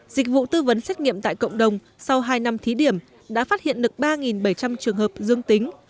dịch vụ tư vấn xét nghiệm tại cộng đồng sau hai năm thí điểm đã phát hiện được ba bảy trăm linh trường hợp dương tính